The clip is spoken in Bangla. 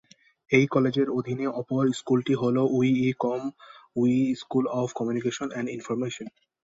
এই কলেজের অধীনে অপর স্কুলটি হল Wee Kim Wee school of communication and information.